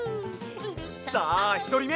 さあひとりめ！